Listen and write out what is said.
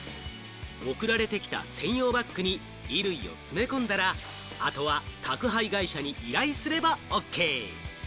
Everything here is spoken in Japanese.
送られてきた専用バッグに衣類を詰め込んだら、あとは宅配会社に依頼すればＯＫ。